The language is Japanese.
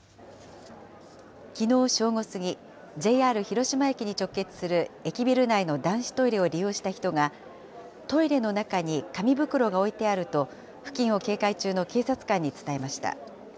きのう正午過ぎ、ＪＲ広島駅に直結する駅ビル内の男子トイレを利用した人が、トイレの中に紙袋が置いてあると、付近を警戒中の警察官に伝えました。